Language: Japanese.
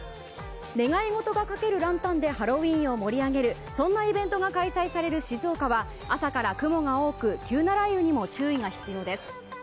願い事が書けるランタンでハロウィーンを盛り上げるそんなイベントが開催される静岡は朝から雲が多く急な雷雨にも注意が必要です。